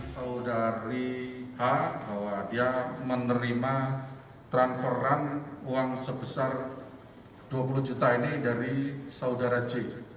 saudari hh menerima transferan uang sebesar dua puluh juta ini dari saudara j